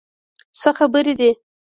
څه خبرې دي؟